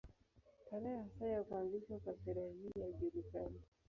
Tarehe hasa ya kuanzishwa kwa sherehe hizi haijulikani.